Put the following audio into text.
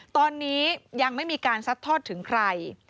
ตอนนี้ยังไม่มีการซัดทอดถึงใคร